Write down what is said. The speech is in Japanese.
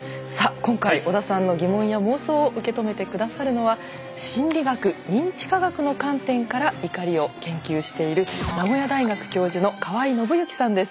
今回織田さんの疑問や妄想を受け止めて下さるのは心理学認知科学の観点から怒りを研究している名古屋大学教授の川合伸幸さんです。